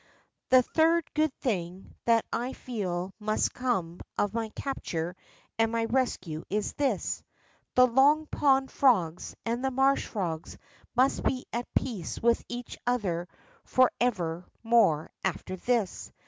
The third good thing that I feel must come of my capture and my rescue is this: The Long Pond frogs and the marsh frogs must be at peace Avith each other forevermore after this.